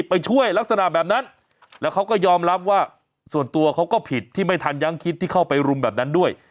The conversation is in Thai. ไปช่วยลักษณะแบบนั้นแล้วเขาก็ยอมรับว่าส่วนตัวเขาก็ผิดที่ไม่ทันยังคิดที่เข้าไปรุมแบบนั้นด้วย